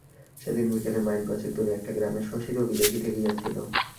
সেদিন বিকেলে মাইল পাচেক দূরে একটা গ্রামে শশী রোগী দেখিতে গিয়াছিল।